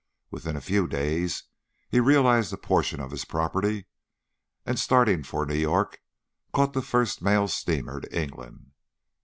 Within a few days he realised a portion of his property, and starting for New York, caught the first mail steamer to England.